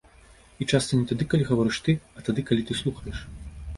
І часта не тады, калі гаворыш ты, а тады, калі ты слухаеш.